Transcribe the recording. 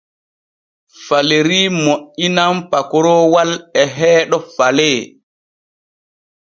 Faleri moƴƴinan pakoroowal e heeɗo Falee.